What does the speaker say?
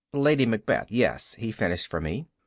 "Lady Macbeth, yes," he finished for me.